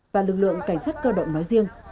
và lực lượng cảnh sát cơ động nói riêng